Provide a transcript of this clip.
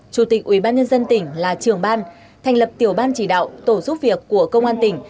chủ tịch ubnd tỉnh là trưởng ban thành lập tiểu ban chỉ đạo tổ giúp việc của công an tỉnh